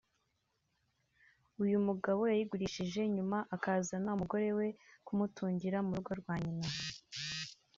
uyu mugabo yayigurishije nyuma akazana umugore we ku mutungira mu rugo rwa Nyina